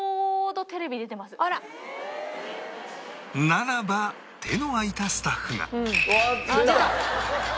ならば手の空いたスタッフがあっ出た！